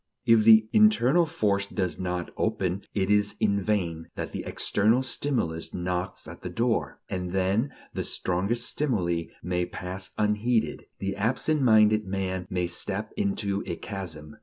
If the internal force does not open, it is in vain that the external stimulus knocks at the door. And then the strongest stimuli may pass unheeded. The absent minded man may step into a chasm.